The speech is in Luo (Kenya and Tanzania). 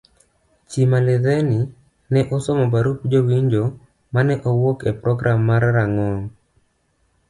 Chimalizeni ne osomo barup jowinjo ma ne owuok e program mar rang'ong